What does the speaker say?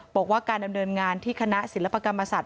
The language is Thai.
บอกว่าการดำเนินงานที่คณะศิลปกรรมศาสต